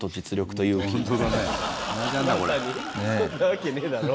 そんなわけねえだろ。